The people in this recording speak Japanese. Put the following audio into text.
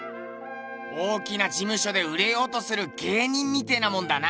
大きな事務所で売れようとする芸人みてえなもんだな。